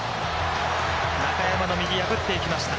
中山の右破っていきました。